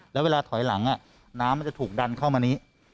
แล้วเวลาถอยหลังน้ำมันจะถูกดันเข้ามานี้